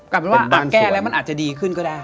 กลายเป็นว่าแก้แล้วมันอาจจะดีขึ้นก็ได้